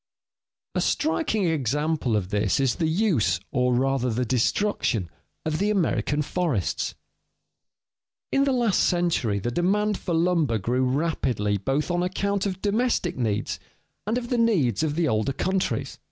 _ A striking example of this is the use, or rather the destruction, of the American forests. In the last century the demand for lumber grew rapidly both on account of domestic needs and of the needs of the older countries.